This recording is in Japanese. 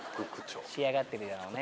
仕上がってるだろうね。